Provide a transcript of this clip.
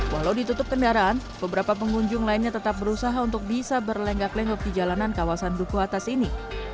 walau ditutup kendaraan beberapa pengunjung lainnya tetap berusaha untuk bisa berlenggak lenggok di jalanan kawasan duku atas ini